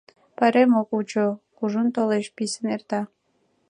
Пайрем ок вучо: кужун толеш, писын эрта.